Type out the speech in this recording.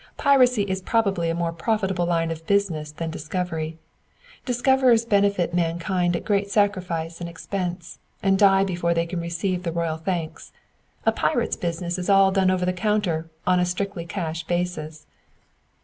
Piracy is probably a more profitable line of business than discovery. Discoverers benefit mankind at great sacrifice and expense, and die before they can receive the royal thanks. A pirate's business is all done over the counter on a strictly cash basis."